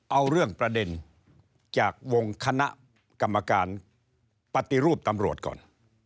เอาเรื่องประเด็นจากวงคณะกรรมการปฏิรูปตำรวจก่อน